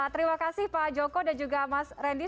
terima kasih pak joko dan juga mas randy